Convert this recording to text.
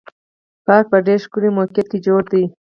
پارک په ډېر ښکلي موقعیت کې جوړ دی.